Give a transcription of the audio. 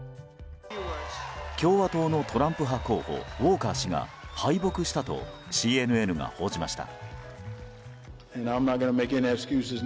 共和党のトランプ派候補ウォーカー氏が敗北したとＣＮＮが報じました。